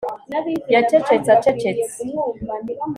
Yacecetse acecetse